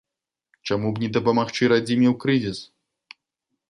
Чаму б не дапамагчы радзіме ў крызіс.